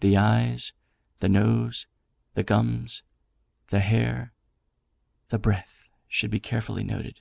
The eyes, the nose, the gums, the hair, the breath, should be carefully noted.